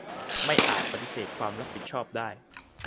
ไม่อาจจะปฏิเสธความรับผิดชอบได้